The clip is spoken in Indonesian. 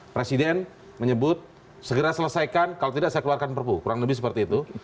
presiden menyebut segera selesaikan kalau tidak saya keluarkan perpu kurang lebih seperti itu